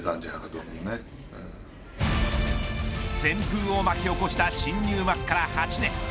旋風を巻き起こした新入幕から８年。